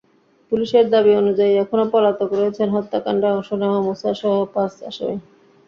পুলিশের দাবি অনুযায়ী এখনো পলাতক রয়েছেন হত্যাকাণ্ডে অংশ নেওয়া মুছাসহ পাঁচ আসামি।